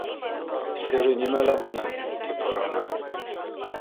Сере нимәлә бының? - тип һораны.